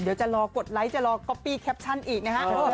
เดี๋ยวจะรอกดไลก์จะเราก๊อปพี้แคปชั่นอีกนะครับ